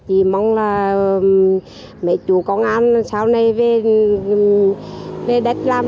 chị mong là mấy chủ công an sau này về đất